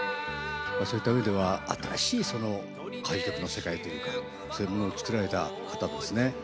そういったうえでは新しい歌謡曲の世界というかそういうものを作られた方ですね。